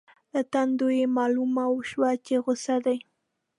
له تندو یې مالومه شوه چې غصه دي.